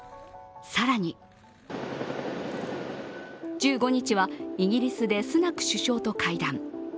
更に１５日はイギリスでスナク首相と会談。